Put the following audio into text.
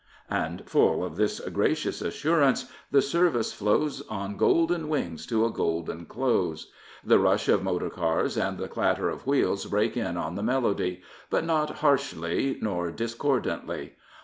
And, full of this gracious assurance, the service flows on golden wings to a golden close. The rush of motor cars and the clatter of wheels break in on the melody; but not harshly nor discordantly.